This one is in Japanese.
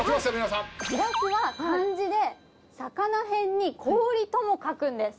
しらすは漢字で魚へんに氷とも書くんです。